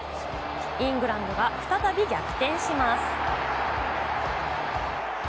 イングランドが再び逆転します。